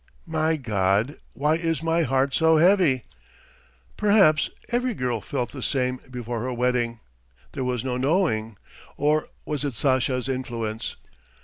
"My God, why is my heart so heavy?" Perhaps every girl felt the same before her wedding. There was no knowing! Or was it Sasha's influence?